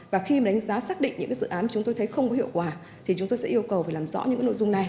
và khi đánh giá xác định những dự án chúng tôi thấy không có hiệu quả chúng tôi sẽ yêu cầu làm rõ những nội dung này